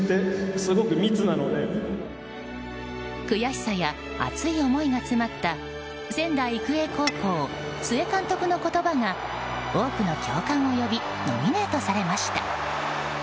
悔しさや熱い思いが詰まった仙台育英高校、須江監督の言葉が多くの共感を呼びノミネートされました。